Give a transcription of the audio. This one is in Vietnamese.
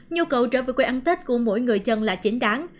nhu cầu trở về quê ăn tết của mỗi người dân là chính đáng